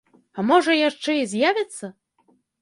А можа яшчэ і з'явіцца?